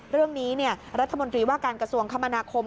เรื่องนี้รัฐมนตรีว่าการกระทรวงคมนาคม